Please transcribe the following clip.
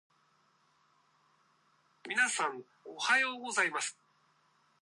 皆さん、おはようございます。